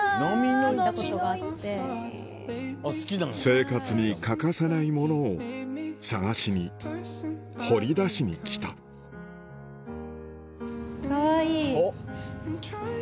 生活に欠かせないものを探しに掘り出しに来たかわいい。